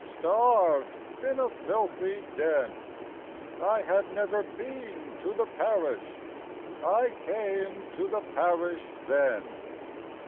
Starved in a filthy den ; I had never been to the parish, — I came to the parish then.